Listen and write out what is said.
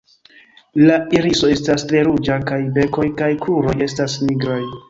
La iriso estas tre ruĝa kaj bekoj kaj kruroj estas nigraj.